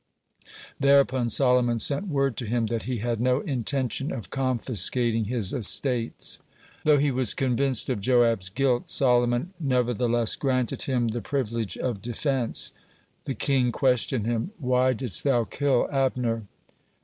Thereupon Solomon sent word to him that he had no intention of confiscating his estates. (8) Though he was convinced of Joab's guilt, Solomon nevertheless granted him the privilege of defense. The king questioned him: "Why didst thou kill Abner?"